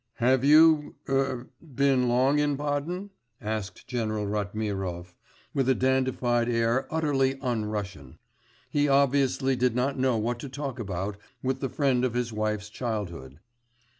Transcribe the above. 'Have you er been long in Baden?' asked General Ratmirov, with a dandified air utterly un Russian. He obviously did not know what to talk about with the friend of his wife's childhood.